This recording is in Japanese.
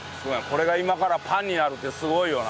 これが今からパンになるってすごいよな。